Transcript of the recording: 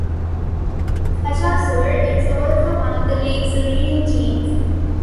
Cajasur is also one of the league's leading teams.